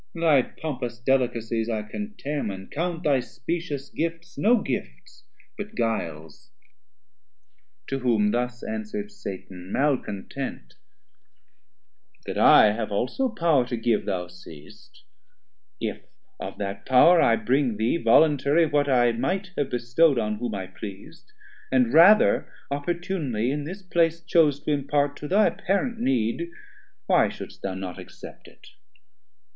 Thy pompous Delicacies I contemn, 390 And count thy specious gifts no gifts but guiles. To whom thus answer'd Satan malecontent: That I have also power to give thou seest, If of that pow'r I bring thee voluntary What I might have bestow'd on whom I pleas'd. And rather opportunely in this place Chose to impart to thy apparent need, Why shouldst thou not accept it?